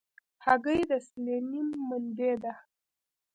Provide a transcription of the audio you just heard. هګۍ د سلینیم منبع ده.